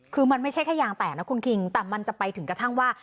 คือมันไม่ใช่แค่ยางแตกนะคุณคิงแต่มันจะไปถึงกระทั่งว่า